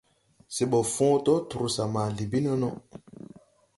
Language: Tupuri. Se ɓɔ fõõ dɔɔ trusa ma Libi nono.